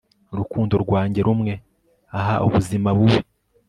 urukundo rwanjye rumwe! ah, ubuzima bubi